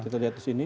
kita lihat di sini